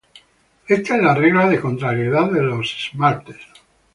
Esta es la "regla de contrariedad de los esmaltes".